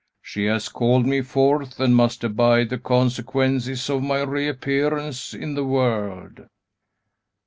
She has called me forth, and must abide the consequences of my reappearance in the world."